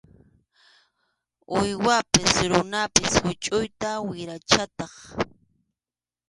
Uywapas runapas huchʼuytaq wirachataq.